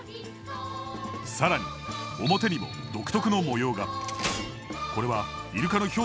更に表にも独特の模様が。